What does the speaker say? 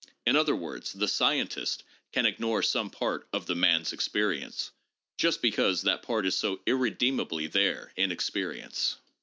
In other words, the scientist can ignore some part of the man's experience just because that part is so irremediably there in experience."